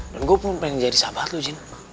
dan gue pun pengen jadi sahabat lo jin